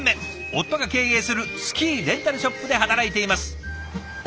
夫が経営するスキーレンタルショップで働いています。